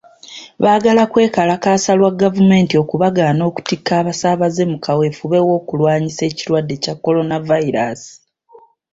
Baagala kwekalakaasa lwa gavumenti okubagaana okutikka abasaabaze mu kaweefube w'okulwanyisa ekirwadde kya Kolonavayiraasi.